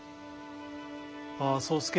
ああそうすけ。